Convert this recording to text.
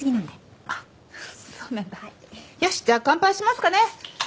よしじゃあ乾杯しますかね。